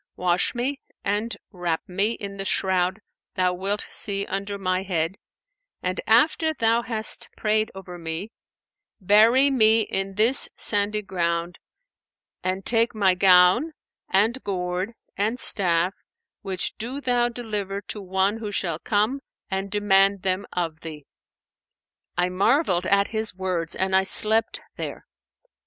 Wash me and wrap me in the shroud thou wilt see under my head and after thou hast prayed over me, bury me in this sandy ground and take my gown and gourd and staff, which do thou deliver to one who shall come and demand them of thee.' I marvelled at his words, and I slept there.